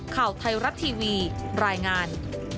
ข่าวไทยรัฐทีวีรายงาน